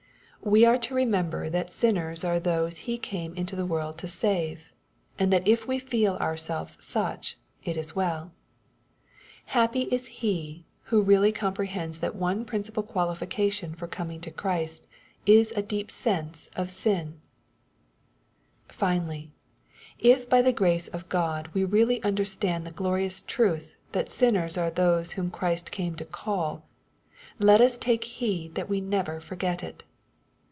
We are to remember that sin ners are those He came into the world to save, and that if we feel ourselves ^ach, it is welL Happy is he who really comprehends that one principal qualification for coming to Christ is a deep sense of sin I Finally, if by the grace of Qod we really understand the glorious truth that sinners are those whom Christ came to call, let us take heed that we never forget it.